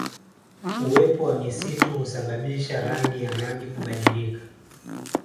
Uwepo wa misitu husababisha rangi ya maji kubadilika